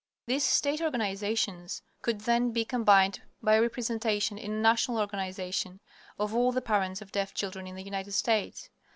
These state organizations could then be combined by representation in a national organization of all the parents of deaf children in the United States.